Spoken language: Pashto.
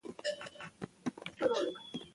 ډيپلومات د راتلونکي نسل لپاره لار جوړوي.